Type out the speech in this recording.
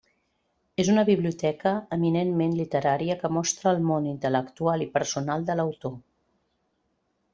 És una biblioteca eminentment literària que mostra el món intel·lectual i personal de l'autor.